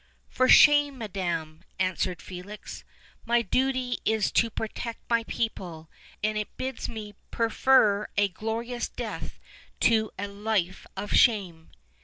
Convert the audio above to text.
"For shame, madam!" answered Felix; "my duty is to protect my people, and it bids me prefer a glorious death to a life of shame."